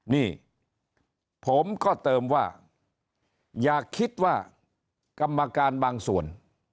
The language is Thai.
นี่ผมก็เติมว่าอย่าคิดว่ากรรมการบางส่วน